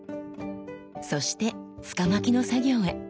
そして柄巻の作業へ。